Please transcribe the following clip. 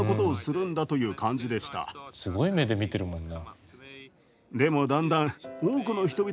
すごい目で見てるもんな。